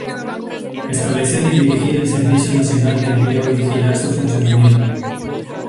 Establecer y dirigir el servicio nacional de empleo y vigilar su funcionamiento.